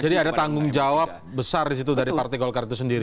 jadi ada tanggung jawab besar dari partai golkar itu sendiri